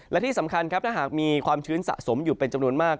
และที่สำคัญครับถ้าหากมีความชื้นสะสมอยู่เป็นจำนวนมาก